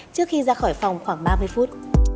trước khi ra khỏi phòng khoảng ba mươi phút